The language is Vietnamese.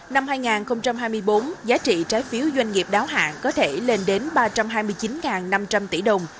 năm hai nghìn hai mươi bốn giá trị trái phiếu doanh nghiệp đáo hạng có thể lên đến ba trăm hai mươi chín năm trăm linh tỷ đồng